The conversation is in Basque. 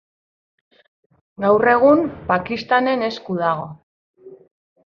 Gaur egun Pakistanen esku dago.